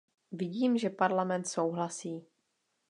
Vidím, že Parlament souhlasí.